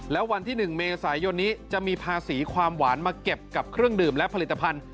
แล้ววันที่๑เมษายนนี้จะมีภาษีความหวานมาเก็บกับเครื่องดื่มและผลิตภัณฑ์